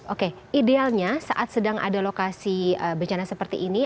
oke idealnya saat sedang ada lokasi bencana seperti ini